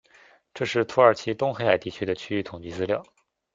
这是土耳其东黑海地区的区域统计资料。